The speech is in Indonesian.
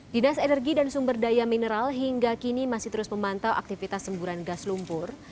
dinas energi dan sumber daya mineral hingga kini masih terus memantau aktivitas semburan gas lumpur